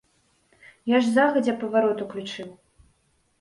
Я ж загадзя паварот уключыў.